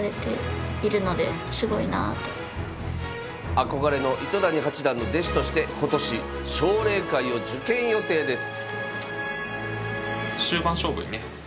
憧れの糸谷八段の弟子として今年奨励会を受験予定です。